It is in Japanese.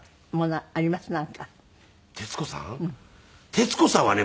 徹子さんはね